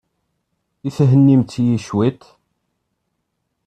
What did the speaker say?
I thennimt-iyi cwiṭ?